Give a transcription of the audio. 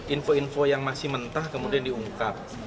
info info yang masih mentah kemudian diungkap